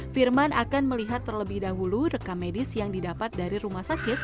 firman akan melihat terlebih dahulu rekam medis yang didapat dari rumah sakit